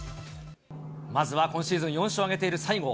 まずは今シーズン４勝を挙げている西郷。